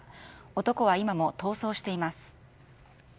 男は今も逃走しています。